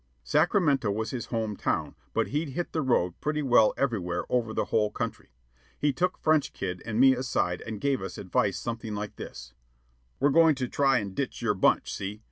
Sacramento was his home town, but he'd hit The Road pretty well everywhere over the whole country. He took French Kid and me aside and gave us advice something like this: "We're goin' to try an' ditch your bunch, see?